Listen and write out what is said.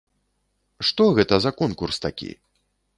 Што гэта за конкурс такі?!